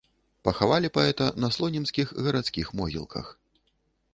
Пахавалі паэта на слонімскіх гарадскіх могілках.